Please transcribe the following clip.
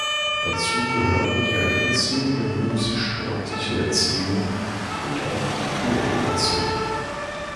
Dazu gehörten die Einbeziehung der musisch-sportliche Erziehung und auch Koedukation.